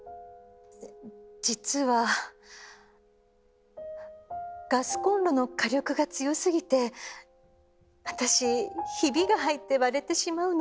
実はガスコンロの火力が強すぎて私ヒビが入って割れてしまうの。